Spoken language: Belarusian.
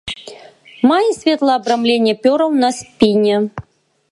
Мае светлае абрамленне пёраў на спіне.